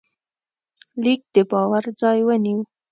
لیک د باور ځای ونیو.